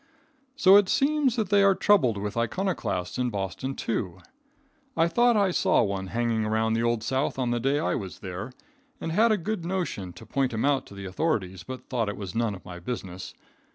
So it seems that they are troubled with iconoclasts in Boston, too. I thought I saw one hanging around the Old South on the day I was there, and had a good notion to point him out to the authorities, but thought it was none of my business.